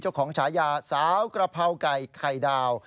ฉายาสาวกระเพราไก่ไข่ดาว